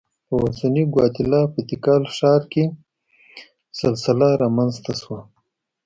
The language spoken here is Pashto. په اوسنۍ ګواتیلا په تیکال ښار کې سلسله رامنځته شوه.